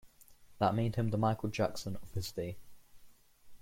That made him the Michael Jackson of his day.